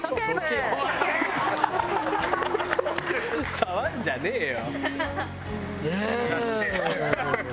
「触んじゃねえよ！」